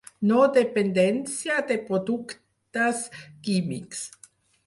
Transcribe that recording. No dependència de productes químics.